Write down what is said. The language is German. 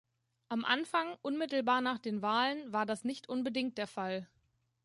Am Anfang, unmittelbar nach den Wahlen, war das nicht unbedingt der Fall.